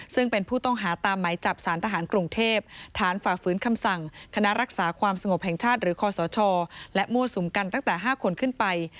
ซึ่งเป็นผู้ต้องหาตามไหมจับสารทหารกรุงเทพฐานฝ่าฝืนคำสั่งคณะรักษาความสงบแห่งชาติหรือคอสชและมั่วสุมกันตั้งแต่๕คนขึ้นไป